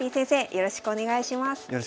よろしくお願いします。